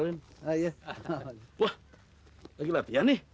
wah lagi latihan nih